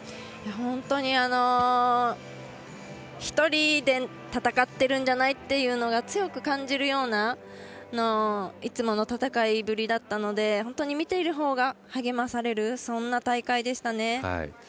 本当に、１人で戦っているんじゃないというのを強く感じられるようないつもの戦いぶりだったので本当に見ているほうが励まされるそんな大会でしたね。